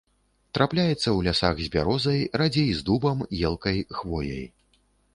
Трапляецца ў лясах з бярозай, радзей з дубам, елкай, хвояй.